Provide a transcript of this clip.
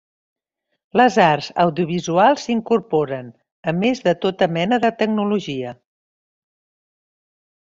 Les arts audiovisuals s'incorporen, a més de tota mena de tecnologia.